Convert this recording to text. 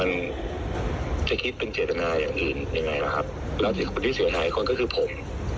แล้วถึงคนที่เสียหายคนก็คือผม